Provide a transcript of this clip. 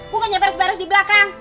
bukannya beres beres di belakang